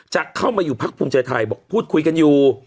จะเข้ามาอยู่พักภูมิใจไทยบอกพูดคุยกันอยู่